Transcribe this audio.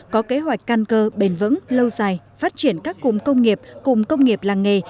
có kế hoạch căn cơ bền vững lâu dài phát triển các cụm công nghiệp cùng công nghiệp làng nghề